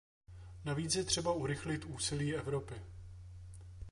Navíc je třeba urychlit úsilí Evropy.